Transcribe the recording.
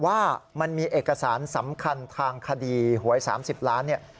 ว่ามันมีเอกสารสำคัญทางคดีหวย๓๐ล้านเนี่ย